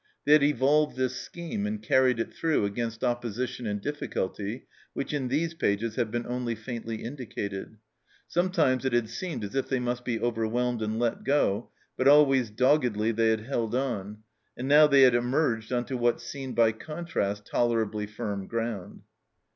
They had evolved this scheme and carried it through against opposi tion and difficulty which in these pages have been only faintly indicated ; sometimes it had seemed as if they must be overwhelmed and let go, but always doggedly they had held on, and now they had emerged on to what seemed by contrast tolerably firm ground.